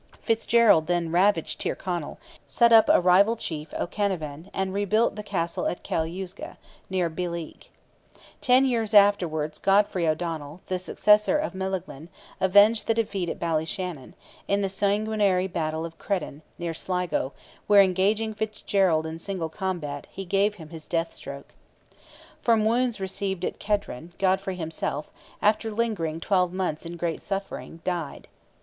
Fitzgerald then ravaged Tyrconnell, set up a rival chief O'Canavan, and rebuilt the Castle at Cael uisge, near Beleek. Ten years afterwards Godfrey O'Donnell, the successor of Melaghlin, avenged the defeat at Ballyshannon, in the sanguinary battle of Credran, near Sligo, where engaging Fitzgerald in single combat, he gave him his death stroke. From wounds received at Credran, Godfrey himself, after lingering twelve months in great suffering, died.